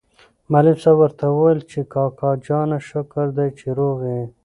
معلم صاحب ورته وویل چې کاکا جانه شکر دی چې روغ یې.